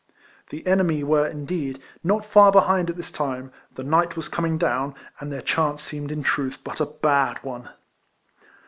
The enemy were, indeed, not far behind at this time, the night was coming down, and their chance seemed in truth but a bad one.